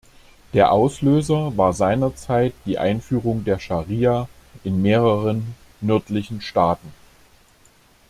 Der Auslöser war seinerzeit die Einführung der Scharia in mehreren nördlichen Staaten.